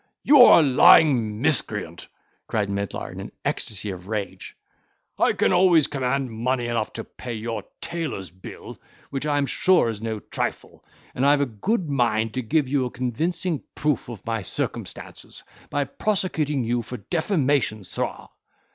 "You are a lying miscreant!" cried Medlar, in an ecstacy of rage; "I can always command money enough to pay your tailor's bill, which I am sure is no trifle; and I have a good mind to give you a convincing proof of my circumstances, by prosecuting you for defamation, sirrah."